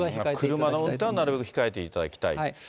車の運転はなるべく控えていただきたいと。